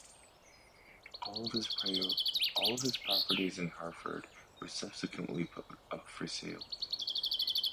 All of his properties in Harford were subsequently put up for sale.